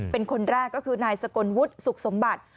เป็นคนแรกก็คือนายสกลวุฒิสุขสมบัติ